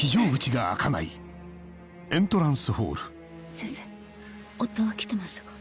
先生夫は来てましたか？